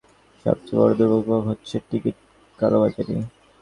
কিন্তু সরকারি এ যোগাযোগ খাতের সবচেয়ে বড় দুর্ভোগ হচ্ছে টিকিট কালোবাজারি।